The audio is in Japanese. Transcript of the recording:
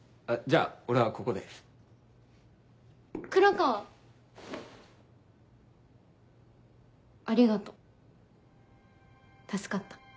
ありがとう助かった。